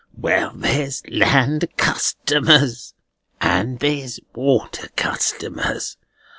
"Well, there's land customers, and there's water customers.